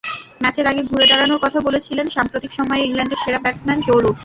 ম্যাচের আগে ঘুরে দাঁড়ানোর কথা বলেছিলেন সাম্প্রতিক সময়ে ইংল্যান্ডের সেরা ব্যাটসম্যান জো রুট।